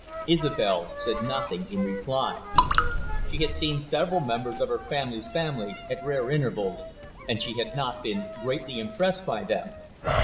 Isobel said nothing in reply. She had seen several members of her father's family at rare intervals, and she had not been greatly impressed by them.